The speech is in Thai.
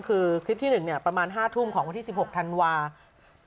คือคลิปที่๑ประมาณ๕ทุ่มของวันที่๑๖ธันวาคม